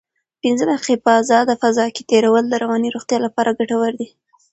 پنځه دقیقې په ازاده فضا کې تېرول د رواني روغتیا لپاره ګټور دي.